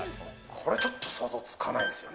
これちょっと想像つかないんですよね。